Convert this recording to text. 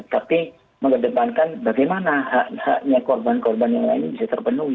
tapi mengedepankan bagaimana haknya korban korban yang lainnya bisa terpenuhi